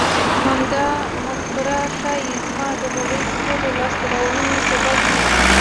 همدا مفکوره ښايي زما د هغو ټولو لاسته راوړنو سبب وي.